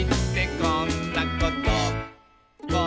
「こんなこと」